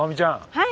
はい。